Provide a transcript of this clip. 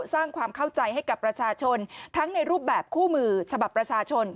สร้างความเข้าใจให้กับประชาชนทั้งในรูปแบบคู่มือฉบับประชาชน